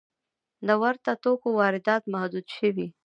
د ورته توکو واردات محدود شوي؟